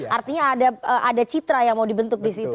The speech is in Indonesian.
artinya ada citra yang mau dibentuk di situ